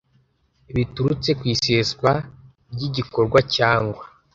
biturutse ku iseswa ry igikorwa cyangwa